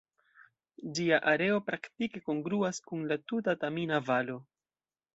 Ĝia areo praktike kongruas kun la tuta Tamina-Valo.